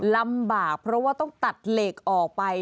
ลำบากเพราะว่าต้องตัดเหล็กออกไป